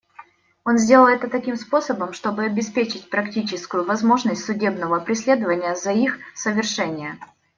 Он сделал это таким способом, чтобы обеспечить практическую возможность судебного преследования за их совершение.